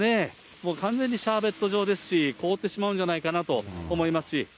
もう完全にシャーベット状ですし、凍ってしまうんじゃないかなと思いますし。